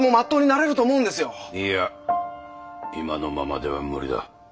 いや今のままでは無理だ。